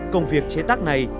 công việc chế tác này